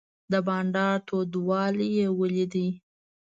د بانډار تودوالی یې ولید.